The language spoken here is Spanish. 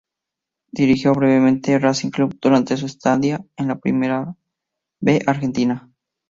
Dirigió brevemente a Racing Club durante su estadía en la Primera B argentina.